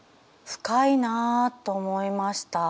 深いなあと思いました。